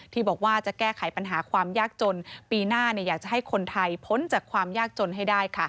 ที่บอกว่าจะแก้ไขปัญหาความยากจนปีหน้าอยากจะให้คนไทยพ้นจากความยากจนให้ได้